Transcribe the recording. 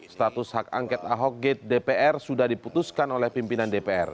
status hak angket ahok gate dpr sudah diputuskan oleh pimpinan dpr